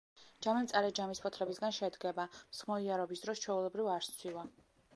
ჯამი მწარე ჯამის ფოთლებისგან შედგება, მსხმოიარობის დროს ჩვეულებრივ არ სცვივა.